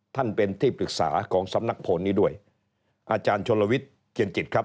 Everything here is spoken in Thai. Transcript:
ท่านเป็นที่ปรึกษาของสำนักโพลนี้ด้วยอาจารย์ชนลวิทย์เจียนจิตครับ